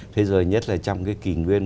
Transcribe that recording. thế rồi nhất là trong cái kỳ nguyên